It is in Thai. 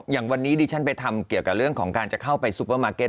อย่างวันนี้ดิฉันไปทำเกี่ยวกับเรื่องของการจะเข้าไปซุปเปอร์มาร์เก็ต